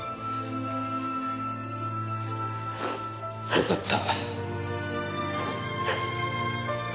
よかった。